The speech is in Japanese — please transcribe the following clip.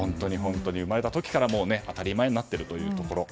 生まれた時から当たり前になっているというところ。